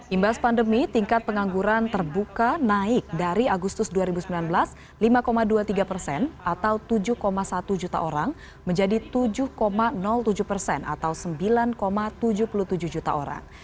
imbas pandemi tingkat pengangguran terbuka naik dari agustus dua ribu sembilan belas lima dua puluh tiga persen atau tujuh satu juta orang menjadi tujuh tujuh persen atau sembilan tujuh puluh tujuh juta orang